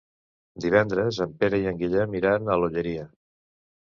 Divendres en Pere i en Guillem iran a l'Olleria.